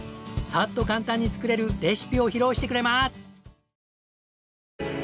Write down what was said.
サッと簡単に作れるレシピを披露してくれます！